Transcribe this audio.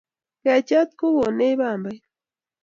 Kecheet ko konech pambait.